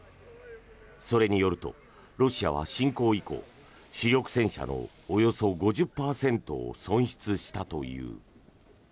それによると、ロシアは侵攻以降主力戦車のおよそ５０％を損失したという。